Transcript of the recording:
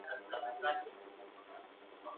پنځه او پنځه لس کېږي.